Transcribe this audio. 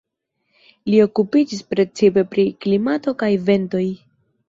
Li okupiĝis precipe pri klimato kaj ventoj.